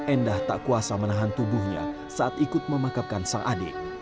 endah tak kuasa menahan tubuhnya saat ikut memakamkan sang adik